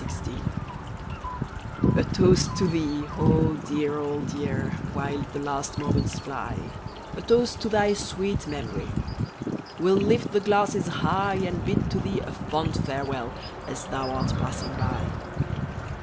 THE TOAST A toast to thee, 0 dear old year, While the last moments fly, A toast to thy sweet memory We'll lift the glasses high, And bid to thee a fond farewell As thou art passing by!